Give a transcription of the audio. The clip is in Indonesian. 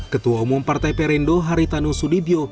ketua umum partai perindo haritanu sudibyo